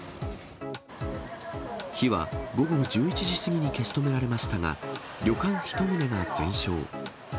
火は午後１１時過ぎに消し止められましたが、旅館１棟が全焼。